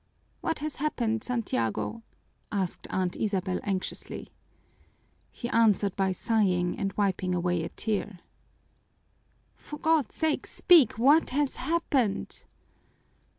"What has happened, Santiago?" asked Aunt Isabel anxiously. He answered by sighing and wiping away a tear. "For God's sake, speak! What has happened?"